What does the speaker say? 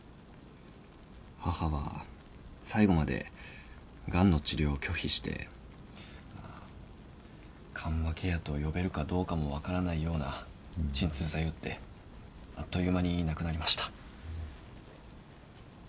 母は最後までがんの治療を拒否して緩和ケアと呼べるかどうかも分からないような鎮痛剤打ってあっという間に亡くなりました。